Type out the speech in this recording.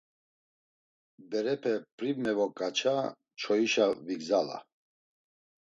Berepe pri mevoǩaça çoyişa vigzala.